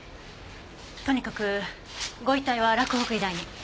とにかくご遺体は洛北医大に。